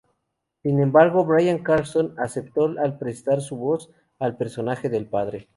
Sin embargo Bryan Cranston aceptó el prestar su voz al personaje del padre.